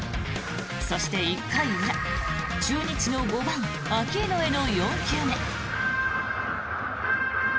そして、１回裏中日の５番、アキーノへの４球目。